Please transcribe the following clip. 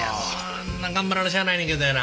頑張らなしゃあないねんけどやな。